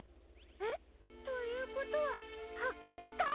えっ？ということははっくつたい？